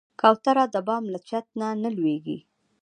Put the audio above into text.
کوتره د بام له چت نه نه لوېږي.